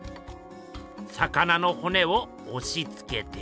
魚のほねをおしつけて。